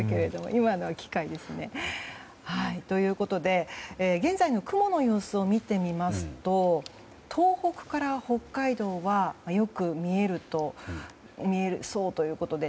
今のは機械ですね。ということで現在の雲の様子を見てみますと東北から北海道はよく見えそうということで。